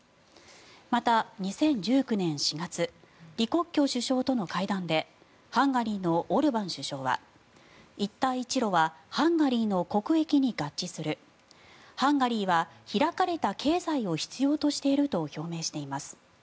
また、２０１９年４月李克強首相との会談でハンガリーのオルバン首相は一帯一路はハンガリーの国益に合致するハンガリーは開かれた経済を必要としていると表明しています。